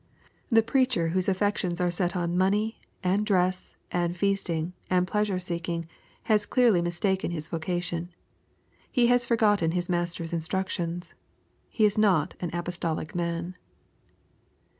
The preacher whose affections are set on money, and dress and feasting, and pleasure seeking, has clearly j mistaken his vocation. He has forgotten his Master's instructions. He is not an apostolic man.